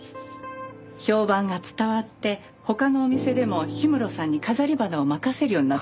評判が伝わって他のお店でも氷室さんに飾り花を任せるようになったんです。